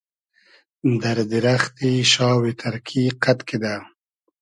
دئر دیرئختی شاوی تئرکی قئد کیدۂ